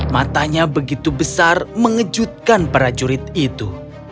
matanya begitu besar mengejutkan para jurid itu